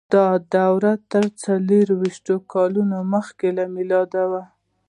دا دوره تر څلور ویشت کاله مخکې له میلاده وه.